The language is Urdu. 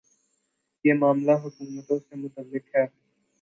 یہ معاملہ حکومتوں سے متعلق ہے۔